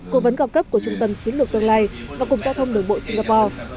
cố vấn cao cấp của trung tâm chiến lược tương lai và cục giao thông đường bộ singapore